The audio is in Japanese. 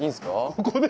ここで？